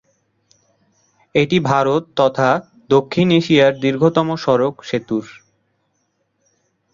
এটি ভারত তথা দক্ষিণ এশিয়ার দীর্ঘতম সড়ক সেতুর।